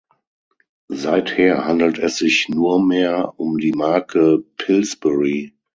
Seither handelt es sich nur mehr um die Marke Pillsbury.